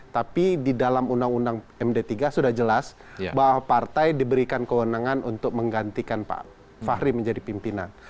tapi di dalam undang undang md tiga sudah jelas bahwa partai diberikan kewenangan untuk menggantikan pak fahri menjadi pimpinan